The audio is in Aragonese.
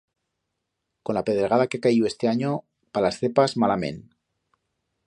Con la pedregada que ha caiu este anyo, pa la cepas, malament.